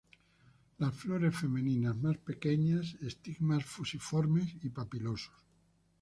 Las flores femeninas más pequeñas, estigmas fusiformes, papilosos.